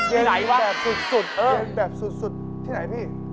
เย็นแบบสุดที่ไหนพี่